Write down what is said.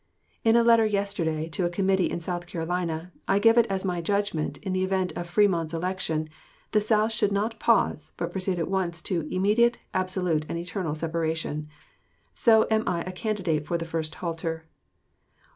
In a letter yesterday to a committee in South Carolina, I give it as my judgment, in the event of Frémont's election, the South should not pause, but proceed at once to "immediate, absolute, and eternal separation." So I am a candidate for the first halter.